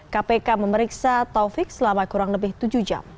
kpk memeriksa taufik selama kurang lebih tujuh jam